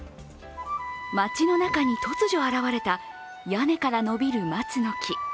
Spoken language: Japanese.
町の中に突如現れた屋根から伸びる松の木。